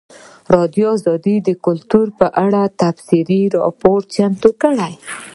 ازادي راډیو د کلتور په اړه تفصیلي راپور چمتو کړی.